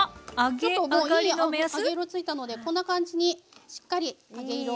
ちょっともういい揚げ色ついたのでこんな感じにしっかりいい色。